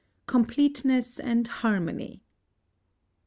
COMPLETENESS AND HARMONY.